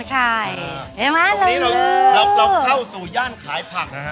ใช่เห็นไหมเริ่มเริ่มเราเข้าสู่ย่านขายผักนะฮะ